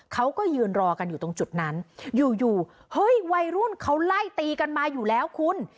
เขาก็ยืนรอกันอยู่ตรงจุดนั้นอยู่อยู่เฮ้ยวัยรุ่นเขาไล่ตีกันมาอยู่แล้วคุณ